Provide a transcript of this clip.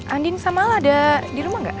andien sama ala ada di rumah gak